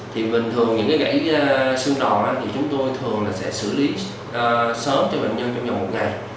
thì bình thường những cái gãy xương đòn chúng tôi thường sẽ xử lý sớm cho bệnh nhân trong vòng một ngày